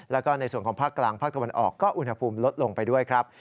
แล้วก็ในส่วนของภาคกลางภาคตะวันออกก็อุณหภูมิลดลงไปด้วยครับ